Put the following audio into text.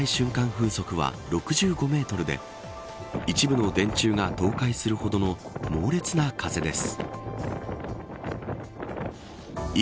風速は６５メートルで一部の電柱が倒壊するほどの猛烈な風です。